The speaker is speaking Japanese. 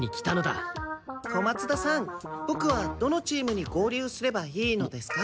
小松田さんボクはどのチームに合流すればいいのですか？